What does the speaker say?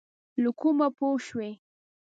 له کومه پوه شوې؟